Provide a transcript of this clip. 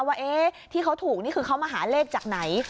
ว่าที่เขาถูกนี่คือเขามาหาเลขจากไหน